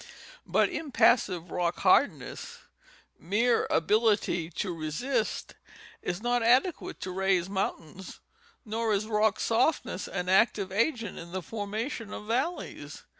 But impassive rock hardness, mere ability to resist, is not adequate to raise mountains, nor is rock softness an active agent in the formation of valleys.